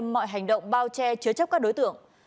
mọi hành động bao che chứa chấp các đối tượng